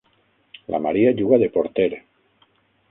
La Maria juga de porter.